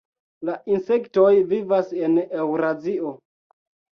La insektoj vivas en Eŭrazio.